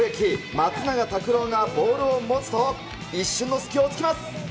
松永拓朗がボールを持つと、一瞬の隙をつきます。